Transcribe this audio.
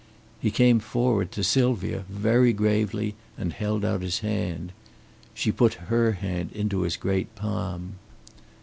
He came forward to Sylvia very gravely and held out his hand. She put her hand into his great palm.